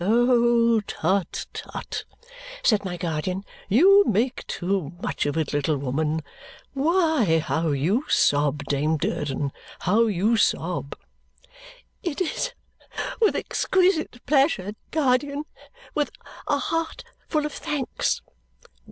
"Tut, tut!" said my guardian. "You make too much of it, little woman. Why, how you sob, Dame Durden, how you sob!" "It is with exquisite pleasure, guardian with a heart full of thanks."